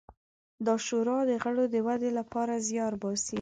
دا شورا د غړو د ودې لپاره زیار باسي.